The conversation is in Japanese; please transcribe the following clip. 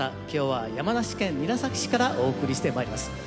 今日は山梨県韮崎市からお送りしてまいります。